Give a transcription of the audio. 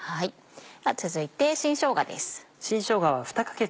続いて新しょうがです。